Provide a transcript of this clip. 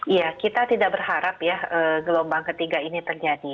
iya kita tidak berharap ya gelombang ketiga ini terjadi